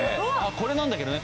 これなんだけどね